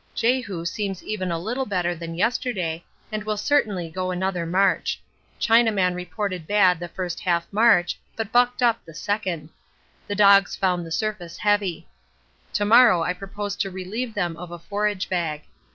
Jehu seems even a little better than yesterday, and will certainly go another march. Chinaman reported bad the first half march, but bucked up the second. The dogs found the surface heavy. To morrow I propose to relieve them of a forage bag.